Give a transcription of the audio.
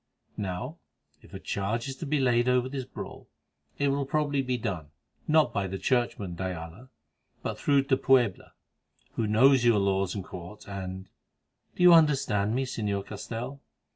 Now, if a charge is to be laid over this brawl, it will probably be done, not by the churchman, de Ayala, but through de Puebla, who knows your laws and Court, and—do you understand me, Señor Castell?"